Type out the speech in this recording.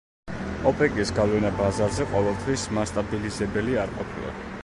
ოპეკის გავლენა ბაზარზე ყოველთვის მასტაბილიზებელი არ ყოფილა.